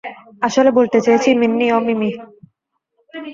আসলে বলতে চেয়েছি মিন্নি, অহ, মিমি।